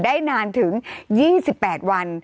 ได้นานถึง๒๘วัน